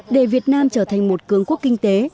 để việt nam trở thành một cường quốc kinh tế